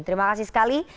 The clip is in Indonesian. terima kasih sekali